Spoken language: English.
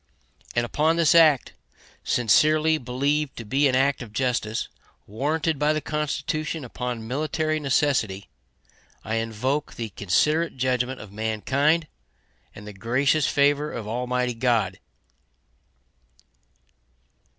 And upon this act, sincerely believed to be an act of justice, warranted by the Constitution upon military necessity, I invoke the considerate judgment of mankind and the gracious favor of Almighty God.